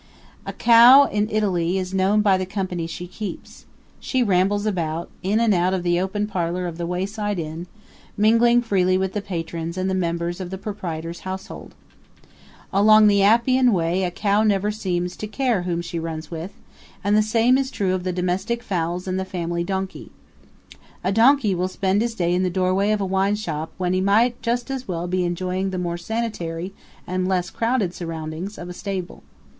A cow in Italy is known by the company she keeps; she rambles about, in and out of the open parlor of the wayside inn, mingling freely with the patrons and the members of the proprietor's household. Along the Appian Way a cow never seems to care whom she runs with; and the same is true of the domestic fowls and the family donkey. A donkey will spend his day in the doorway of a wine shop when he might just as well be enjoying the more sanitary and less crowded surroundings of a stable.